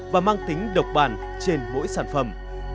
và mang tính độc bản trên mỗi sản phẩm